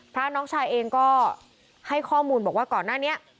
น้องชายเองก็ให้ข้อมูลบอกว่าก่อนหน้านี้